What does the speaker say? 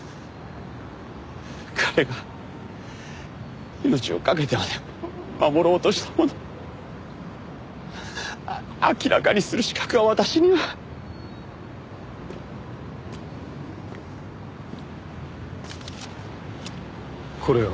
彼が命をかけてまで守ろうとしたものを明らかにする資格は私には。これを。